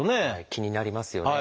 気になりますよね。